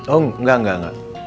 oh engga engga engga